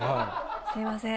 すみません。